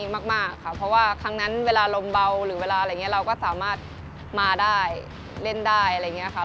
มาได้เล่นได้อะไรอย่างนี้ค่ะ